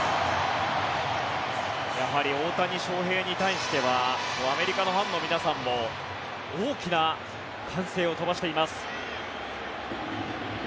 やはり大谷翔平に対してはアメリカのファンの皆さんも大きな歓声を飛ばしています。